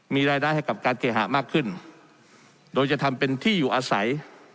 มีรายได้ให้กับการเคหะมากขึ้นโดยจะทำเป็นที่อยู่อาศัย